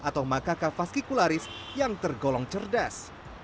atau makaka fascicularis yang tergolong cerdas